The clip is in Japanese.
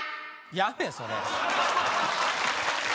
やめぇそれ。